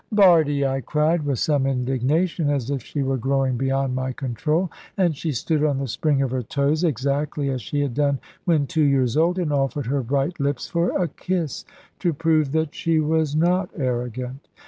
"Bardie!" I cried, with some indignation, as if she were growing beyond my control; and she stood on the spring of her toes exactly as she had done when two years old, and offered her bright lips for a kiss, to prove that she was not arrogant.